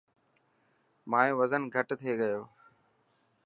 مايو وزن گهٽ ٿي گيو.